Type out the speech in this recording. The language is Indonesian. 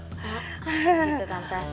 iya gitu tante